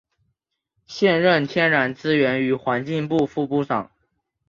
现任天然资源与环境部副部长。